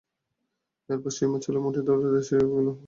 এরপর সীমার চুলের মুঠি ধরে মাটিতে শুইয়ে গলা কেটে তাঁকে হত্যা করেন।